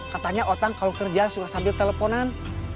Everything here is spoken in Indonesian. katanya orang kalau kerja suka sambil teleponan